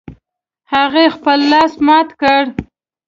هغې خپل لاس مات کړ